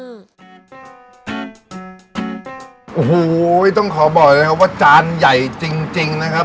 โอ้โหต้องขอบอกเลยครับว่าจานใหญ่จริงนะครับ